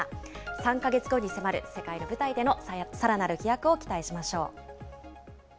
３か月後に迫る世界の舞台でのさらなる飛躍を期待しましょう。